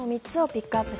ピックアップ